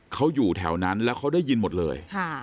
เขาอยู่แถวนั้นแล้วเขาได้ยินหมดเลย